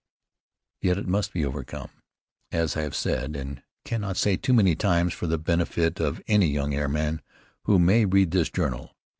Yet it must be overcome, as I have said, and cannot say too many times for the benefit of any young airman who may read this journal.